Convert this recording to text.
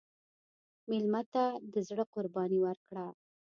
مېلمه ته د زړه قرباني ورکړه.